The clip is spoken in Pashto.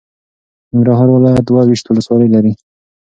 ننګرهار ولایت دوه ویشت ولسوالۍ لري.